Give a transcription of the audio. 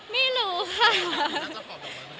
ไม่รู้ค่ะ